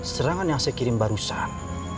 serangan yang saya kirim barusan